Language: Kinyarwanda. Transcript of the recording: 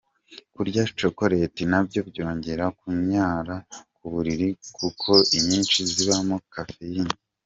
Kurya chocolate nabyo byongera kunyara ku buriri kuko inyinshi zibamo caffeine.